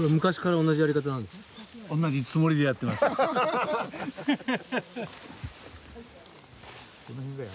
同じつもりでやってます。